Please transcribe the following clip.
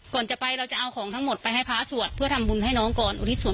ก่อนจะไปเราจะเอาของทั้งหมดไปให้พระสวดเพื่อทำบุญให้น้องก่อนอุทิศส่วน